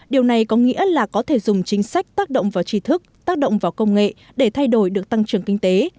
điều này có nghĩa là có thể dùng chính sách tác động vào trí thức tác động vào công nghệ để thay đổi được tăng trưởng kinh tế